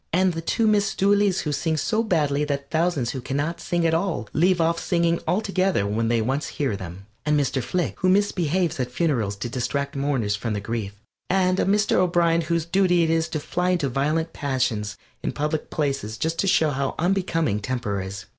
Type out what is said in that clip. And the two Miss Dooleys who sing so badly that thousands who can not sing at all leave off singing altogether when they once hear them. And Mr. Flick, who misbehaves at funerals to distract mourners from their grief, and a Mr. O'Brien, whose duty it is to fly into violent passions in public places just to show how unbecoming temper is.